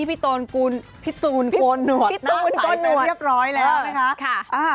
พี่ตูนโกนหนวดนั่งพื้นไปเรียบร้อยแล้วนะคะ